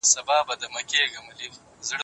خپل ټولنیز مسؤلیتونه وپېژنئ.